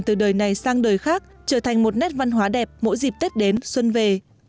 từ đời này sang đời khác trở thành một nét văn hóa đẹp mỗi dịp tết đến xuân về